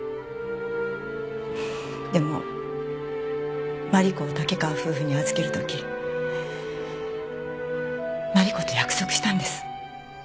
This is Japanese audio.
でも真梨子を竹川夫婦に預ける時真梨子と約束したんです。